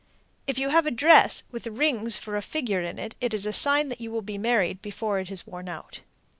If you have a dress with rings for a figure in it, it is a sign you will be married before it is worn out.